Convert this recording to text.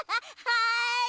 はい！